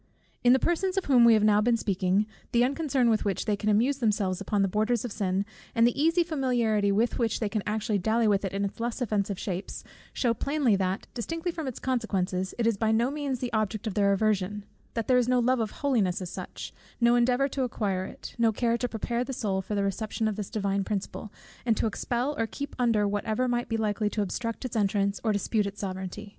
In the persons of whom we have been now speaking, the unconcern with which they can amuse themselves upon the borders of sin, and the easy familiarity with which they can actually dally with it in its less offensive shapes, shew plainly that, distinctly from its consequences, it is by no means the object of their aversion; that there is no love of holiness as such; no endeavour to acquire it, no care to prepare the soul for the reception of this divine principle, and to expel or keep under whatever might be likely to obstruct its entrance, or dispute its sovereignty.